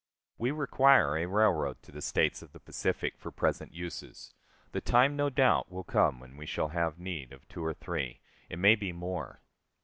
We require a railroad to the States of the Pacific for present uses; the time no doubt will come when we shall have need of two or three, it may be more.